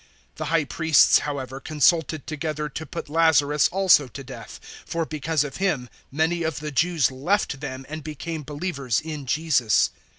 012:010 The High Priests, however, consulted together to put Lazarus also to death, 012:011 for because of him many of the Jews left them and became believers in Jesus.